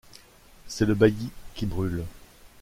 C’est le bailli qui brûle.